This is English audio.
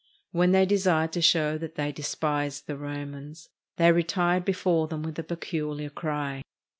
When they desired to show that they despised the Romans, they retired before them with a peculiar cry.